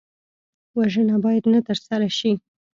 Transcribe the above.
وژنه باید نه ترسره شي